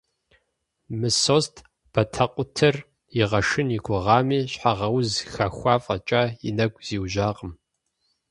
Мысост батэкъутэр игъэшын и гугъами, щхьэгъэуз хэхуа фӀэкӀа, и нэгу зиужьакъым.